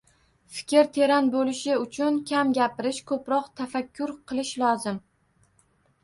Fikr teran bo‘lishi uchun kam gapirish, ko‘proq tafakkur qilish lozim.